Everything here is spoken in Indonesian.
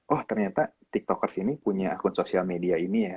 oh ternyata tiktokers ini punya akun sosial media ini ya